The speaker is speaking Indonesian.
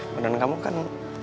padahal kamu kan